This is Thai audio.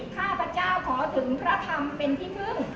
ข้าพเจ้าขอถึงพระธรรมเป็นที่พึ่ง